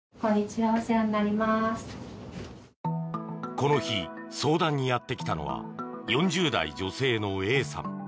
この日、相談にやってきたのは４０代女性のＡさん。